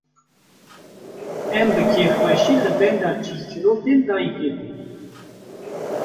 Em bi kêfxweşî li benda çîrçîrokên dayîkê bûn